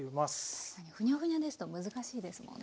確かにフニャフニャですと難しいですもんね。